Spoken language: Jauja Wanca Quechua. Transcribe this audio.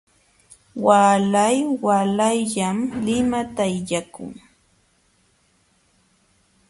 Waalay waalayllam limata illakun.